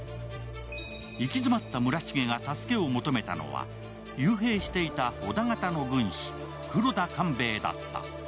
行き詰まった村重が助けを求めたのは、幽閉していた織田方の軍師、黒田官兵衛だった。